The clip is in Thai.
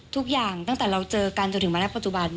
ทุกอย่างตั้งแต่เราเจอกันจนถึงมาในปัจจุบัน